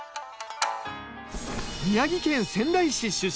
宮城県仙台市出身。